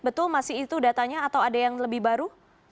betul masih itu datanya atau ada yang lebih baru